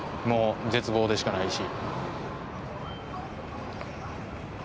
もう絶望でしかないし。